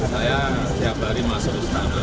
saya tiap hari masuk ustana